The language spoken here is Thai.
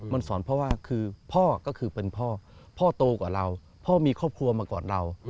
มันสอนเพราะว่าคือพ่อก็คือเป็นพ่อพ่อโตกว่าเราพ่อมีครอบครัวมาก่อนเรา